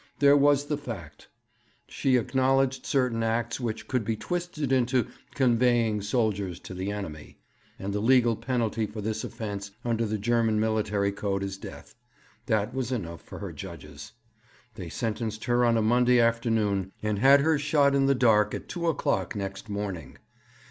There was the fact: she acknowledged certain acts which could be twisted into "conveying soldiers to the enemy," and the legal penalty for this offence under the German military code is death. That was enough for her judges. They sentenced her on a Monday afternoon, and had her shot in the dark at two o'clock next morning.